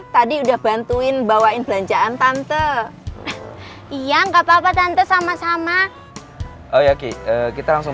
tadi udah bantuin bawain belanjaan tante iya nggak papa tante sama sama oh ya kita langsung